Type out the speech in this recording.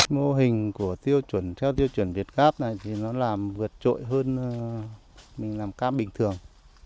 mô hình theo tiêu chuẩn việt gáp này thì nó làm vượt trội hơn mình làm cam bình thường